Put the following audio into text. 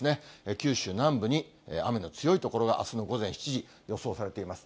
九州南部に雨の強い所が、あすの午前７時、予想されています。